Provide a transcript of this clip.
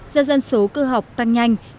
do dân số cư học tăng nhanh